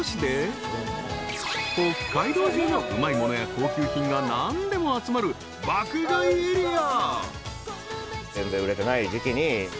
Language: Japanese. ［北海道中のうまいものや高級品が何でも集まる爆買いエリア］